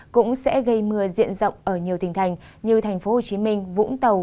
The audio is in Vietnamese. cũng sẽ gây mưa diện rộng ở nhiều tỉnh thành như thành phố hồ chí minh vũng tàu